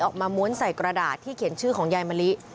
ม้วนใส่กระดาษที่เขียนชื่อของยายมะลิ